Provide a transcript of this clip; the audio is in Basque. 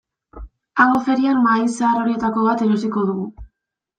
Hango ferian mahai zahar horietako bat erosiko dugu.